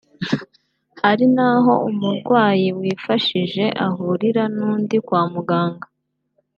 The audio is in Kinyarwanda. Hari n’aho umurwayi wifashije ahurira n’undi kwa muganga